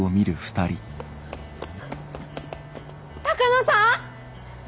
鷹野さん？